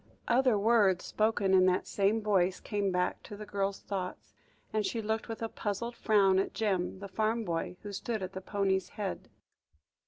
Other words spoken in that same voice, came back to the girl's thoughts, and she looked with a puzzled frown at Jem, the farm boy, who stood at the pony's head.